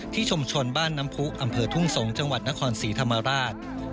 ชุมชนบ้านน้ำผู้อำเภอทุ่งสงศ์จังหวัดนครศรีธรรมราช